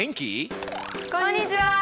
こんにちは。